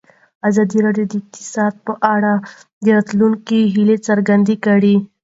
ازادي راډیو د اقتصاد په اړه د راتلونکي هیلې څرګندې کړې.